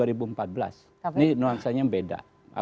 ini nuansanya beda